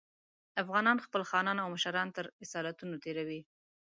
افغانان خپل خانان او مشران تر اصالتونو تېروي.